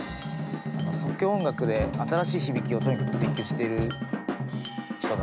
即興音楽で新しい響きをとにかく追求してる人だなと思いますね。